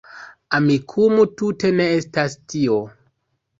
Amikumu tute ne estas tio